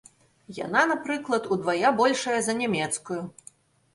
Яна, напрыклад, удвая большая за нямецкую.